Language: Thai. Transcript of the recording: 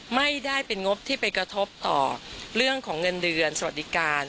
ไม่ได้เป็นงบที่ไปกระทบต่อเรื่องของเงินเดือนสวัสดิการ